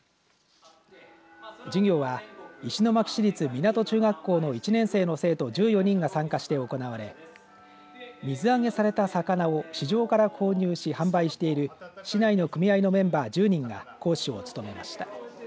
授業は石巻市立湊中学校の１年生の生徒１４人が参加して行われ水揚げされた魚を市場から購入し販売している市内の組合のメンバー１０人が講師を務めました。